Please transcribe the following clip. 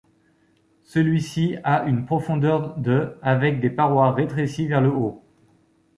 Celui-ci a une profondeur de avec des parois rétrécies vers le haut.